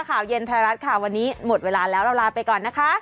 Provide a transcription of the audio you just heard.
ข่าวเย็นไทยรัฐค่ะวันนี้หมดเวลาแล้วเราลาไปก่อนนะคะ